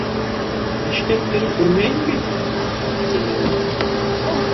—Нишләптер күрмәйем бит, —тине ул.